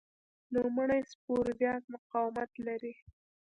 نوموړی سپور زیات مقاومت لري.